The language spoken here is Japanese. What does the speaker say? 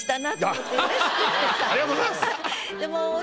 いやもうありがとうございます！